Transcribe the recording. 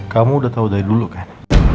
kamu udah tahu dari dulu kan